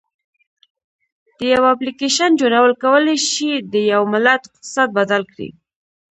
د یو اپلیکیشن جوړول کولی شي د یو ملت اقتصاد بدل کړي.